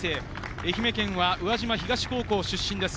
愛媛県宇和島東高校出身です。